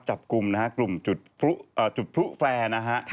จับกลุ่มนะฮะกลุ่มจุดพลุแฟร์นะฮะ